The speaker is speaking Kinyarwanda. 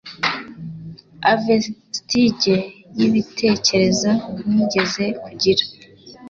a vestige yibitekerezo nigeze kugira